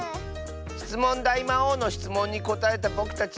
しつもんだいまおうのしつもんにこたえたぼくたち